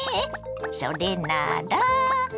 それなら。